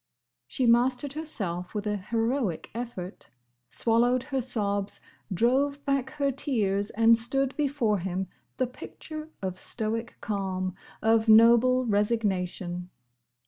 She mastered herself with an heroic effort; swallowed her sobs; drove back her tears; and stood before him, the picture of stoic calm, of noble resignation.